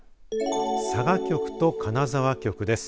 佐賀局と金沢局です。